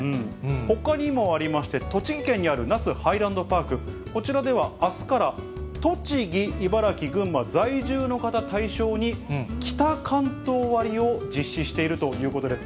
ほかにもありまして、栃木県にある那須ハイランドパーク、こちらではあすから、栃木、茨城、群馬在住の方対象に北関東割を実施しているということです。